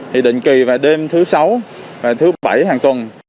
thì định kỳ vào đêm thứ sáu và thứ bảy hàng tuần